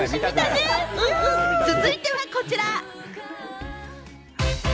続いてはこちら。